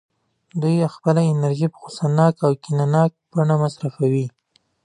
دوی خپله انرژي په غوسه ناکه او کینه ناکه بڼه مصرفوي